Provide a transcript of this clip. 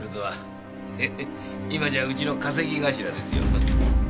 今じゃうちの稼ぎ頭ですよ。